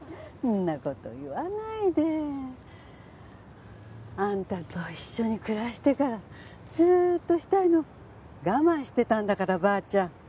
そんな事言わないで。あんたと一緒に暮らしてからずーっとしたいの我慢してたんだからばあちゃん。